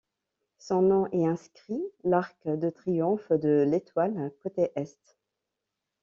Son nom est inscrit l'arc de triomphe de l'Étoile, côté Est.